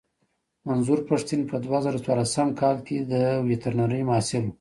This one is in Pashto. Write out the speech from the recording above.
منظور پښتين په دوه زره څوارلسم کې د ويترنرۍ محصل و.